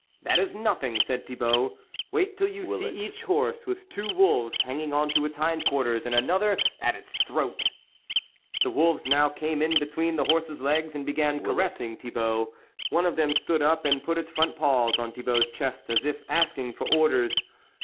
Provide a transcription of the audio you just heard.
" That is nothing," said Thibault, " wait till you see each horse with two wolves hanging on to its hind quarters and another at its throat." The wolves now came in between the horses' legs, and began caressing Thi bault ; one of them stood up, and put its front paws on Thibault's chest, as if ask ing for orders.